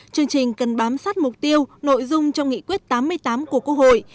chương trình cần bám sát mục tiêu nội dung trong nghị quyết tám mươi tám của quốc hội